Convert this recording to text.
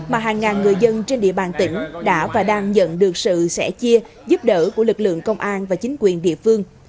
mà hàng ngàn người dân trên địa bàn tỉnh đã và đang nhận được sự sẻ chia giúp đỡ của lực lượng công an và chính quyền địa phương